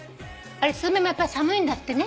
あれスズメもやっぱり寒いんだってね。